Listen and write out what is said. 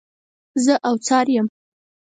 زه اوڅار یم.